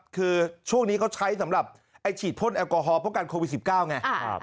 คือช่วงนี้เขาใช้สำหรับฉีดพ่นแอลกอฮอลป้องกันโควิด๑๙ไง